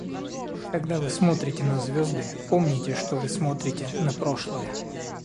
Когда вы смотрите на звезды, помните, что вы смотрите на прошлое.